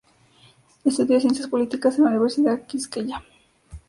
Estudió ciencias políticas en la Universidad Quisqueya.